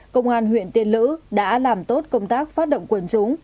công an huyện tiên lữ đã làm tốt công tác phát động quân chúng